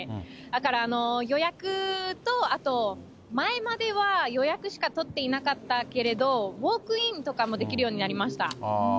だから予約と、あと前までは予約しか取っていなかったけれど、ウォークインとかもできるようになりました。